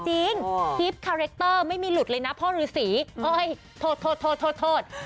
ทริปคาแรคเตอร์ไม่มีหลุดเลยนะพ่อหรือศรีโอ๊ยโทษ